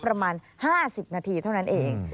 ประมาณ๕๐นาทีเท่านั้นเอง